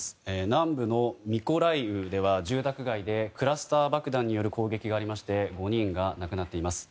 南部のミコライウでは住宅街でクラスター爆弾による攻撃がありまして５人が亡くなっています。